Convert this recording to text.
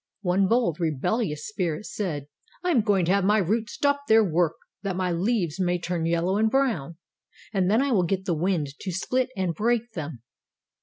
One bold, rebellious spirit said: 'I am going to have my roots stop their work that my leaves may turn yellow and brown; and then I will get the wind to split and break them.